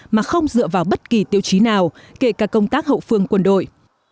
mà không dựa vào bất kỳ tiêu chí nào kể cả công tác hậu phương quân đội